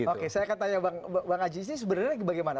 oke saya akan tanya bang ajis ini sebenarnya bagaimana